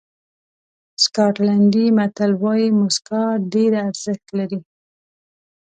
سکاټلېنډي متل وایي موسکا ډېره ارزښت لري.